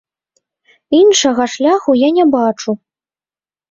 Іншага шляху я не бачу.